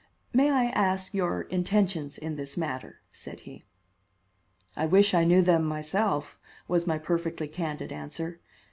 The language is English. "May I ask your intentions in this matter?" said he. "I wish I knew them myself," was my perfectly candid answer.